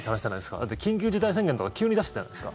だって緊急事態宣言とか急に出してたじゃないですか。